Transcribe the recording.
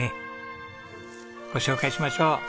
ご紹介しましょう。